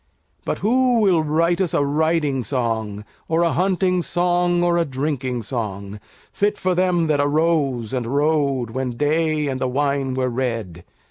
But who will write us a riding song, Or a hunting song or a drinking song, Fit for them that arose and rode When day and the wine were red?